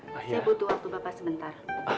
saya butuh waktu bapak sebentar